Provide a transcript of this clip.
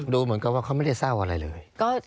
ดูเหมือนกับว่าเขาไม่ได้เศร้าอะไรเลย